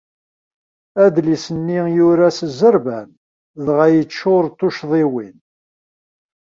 Adlis-nni yura s zzerban, dɣa yeččur d tuccḍiwin.